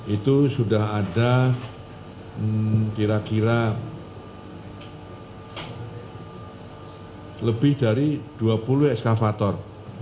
itu sudah ada kira kira lebih dari dua puluh eskavator